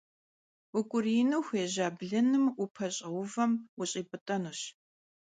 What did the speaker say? Vuk'uriinu xuêja blınım vupeş'euvem vuş'ip'ıt'enuş.